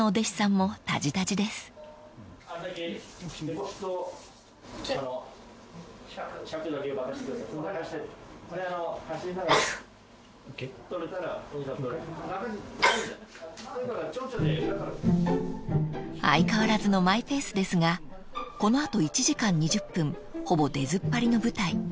もう一回？［相変わらずのマイペースですがこの後１時間２０分ほぼ出ずっぱりの舞台］